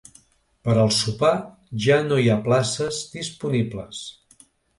Per al sopar ja no hi ha places disponibles.